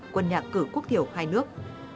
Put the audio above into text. quân nhạc cử quốc thiểu hai nước